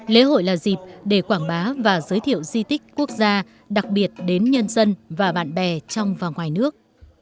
lễ hội là dịp để quảng bá và giới thiệu di tích quốc gia đặc biệt đến nhân dân và bạn bè trong và ngoài nước